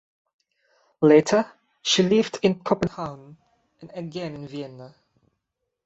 Later she lived in Copenhagen and again in Vienna.